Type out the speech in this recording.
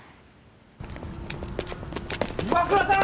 岩倉さん！